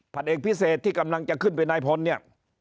เอกพิเศษที่กำลังจะขึ้นเป็นนายพลเนี่ย